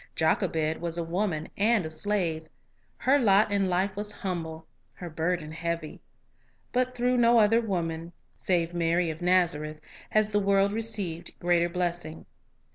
Jochebed was a woman and a slave. Her lot in life was humble, her burden heavy. But through no other woman, save Mary of Nazareth, has the world received greater blessing.